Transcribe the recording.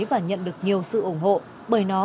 và nhận được nhiều sự ủng hộ bởi nó